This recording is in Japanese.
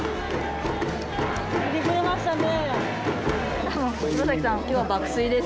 見てくれましたね。